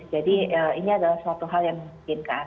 jadi ini adalah suatu hal yang memungkinkan